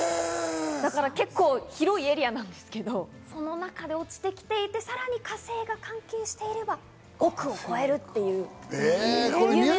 結構広いエリアなんですけど、その中で落ちてきていて、さらに火星が関係していれば億を超えるという。